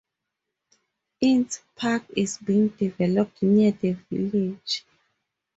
Ince Park is being developed near the village.